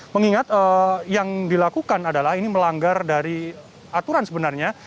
mengingat yang dilakukan adalah ini melanggar dari aturan sebenarnya